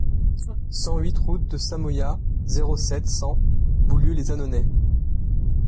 cent huit route de Samoyas, zéro sept, cent, Boulieu-lès-Annonay